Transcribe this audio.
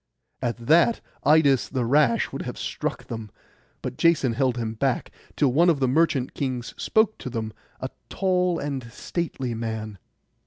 At that Idas the rash would have struck them; but Jason held him back, till one of the merchant kings spoke to them, a tall and stately man.